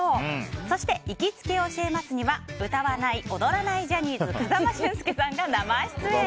そして、行きつけ教えます！には歌わない・踊らないジャニーズ風間俊介さんが生出演。